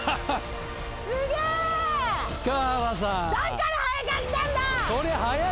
だから速かったんだ！